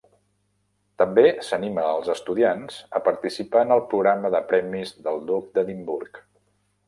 També s'anima els estudiants a participar en el Programa de Premis del Duc d'Edimburg.